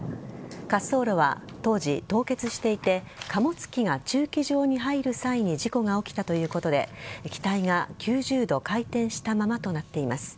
滑走路は当時、凍結していて貨物機が駐機場に入る際に事故が起きたということで機体が９０度回転したままとなっています。